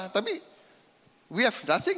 tapi kita tidak punya apa apa